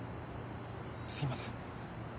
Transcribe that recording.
すみません。